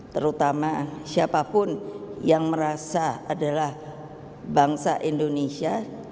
terutama siapapun yang merasa adalah bangsa indonesia